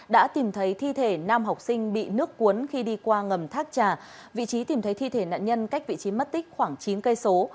đã tìm thấy thi thể nam học sinh bị nước cuốn khi đi qua ngầm thác trà vị trí tìm thấy thi thể nạn nhân cách vị trí mất tích khoảng chín cây số